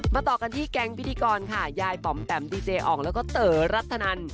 ต่อกันที่แก๊งพิธีกรค่ะยายป๋อมแปมดีเจอ่องแล้วก็เต๋อรัฐนัน